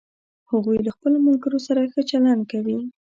هغوی له خپلوملګرو سره ښه چلند کوي